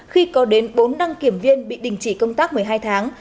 khi có đến bốn đăng kiểm viên bị đình chỉ công tác một mươi hai tháng